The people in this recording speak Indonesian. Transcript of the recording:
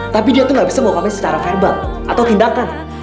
tapi dia tuh gak bisa melakukannya secara verbal atau tindakan